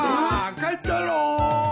帰ったろ。